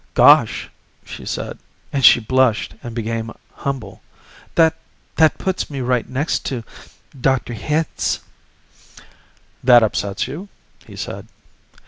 "Gosh " she said, and she blushed and became humble "that that puts me right next to Dr. Hitz." "That upsets you?" he said.